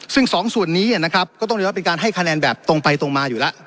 ซึ่งสองส่วนนี้นะครับก็ต้องเรียกว่าเป็นการให้คะแนนแบบตรงไปตรงมาอยู่แล้ว